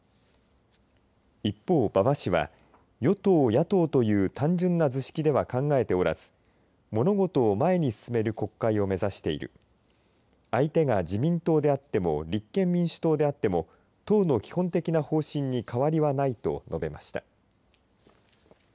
一方、馬場氏は与党・野党という単純な図式では考えておらず物事を前に進める国会を目指している相手が自民党であっても立憲民主党であっても党の基本的な方針に変わりはないと述べました。